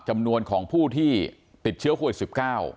จำนวนของผู้ที่ติดเชื้อโควิด๑๙